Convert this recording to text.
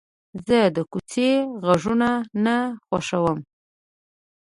زه د کوڅې غږونه نه خوښوم.